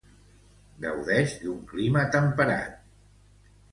Gaudix d'un clima temperat.